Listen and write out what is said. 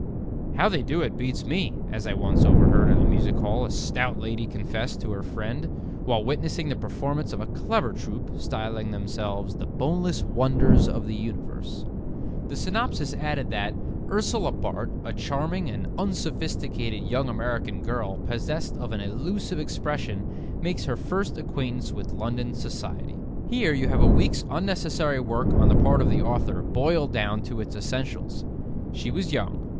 "How they do it beats me," as I once overheard at a music hall a stout lady confess to her friend while witnessing the performance of a clever troup, styling themselves "The Boneless Wonders of the Universe." The synopsis added that: "Ursula Bart, a charming and unsophisticated young American girl possessed of an elusive expression makes her first acquaintance with London society." Here you have a week's unnecessary work on the part of the author boiled down to its essentials. She was young.